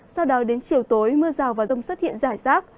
sau đó đến chiều tối mưa rào và rông xuất hiện rải rác